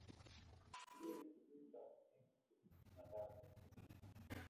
mie tililindo eng imandap portonyo